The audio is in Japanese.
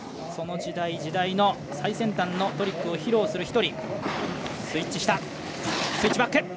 その時代、時代の最先端のトリックを披露する１人。